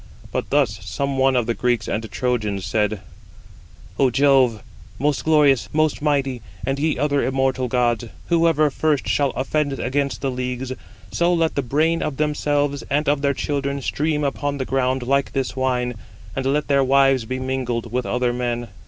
But thus some one of the Greeks and Trojans said: "Ο Jove, most glorious, most mighty, and ye other immortal gods, whoever first shall offend against the leagues, so let the brain of themselves and of their children stream upon the ground like this wine, and let their wives be mingled with other men."